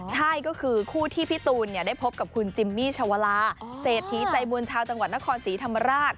ใช่ก็คือคู่ที่พี่ตูนได้พบกับคุณจิมมี่ชาวลาเศรษฐีใจมวลชาวจังหวัดนครศรีธรรมราช